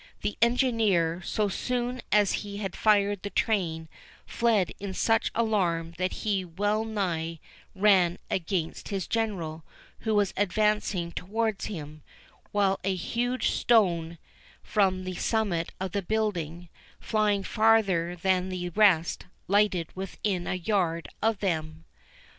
The engineer, so soon as he had fired the train, fled in such alarm that he wellnigh ran against his General, who was advancing towards him, while a huge stone from the summit of the building, flying farther than the rest, lighted within a yard of them.